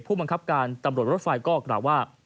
ผู้บังคับการตำรวจรถไฟก็กล่าวว่า